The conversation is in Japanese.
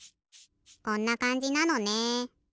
こんなかんじなのね。